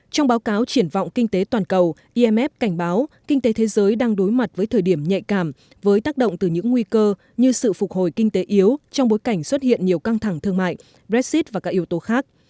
trong báo cáo triển vọng kinh tế toàn cầu imf cảnh báo kinh tế thế giới đang đối mặt với thời điểm nhạy cảm với tác động từ những nguy cơ như sự phục hồi kinh tế yếu trong bối cảnh xuất hiện nhiều căng thẳng thương mại brexit và các yếu tố khác